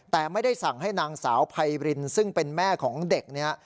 แต่ไม่ได้สั่งให้นางสาวไพรินซึ่งเป็นแม่ของเด็กเนี่ย